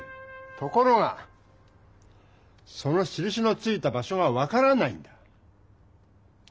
ところがそのしるしのついた場所が分からないんだ。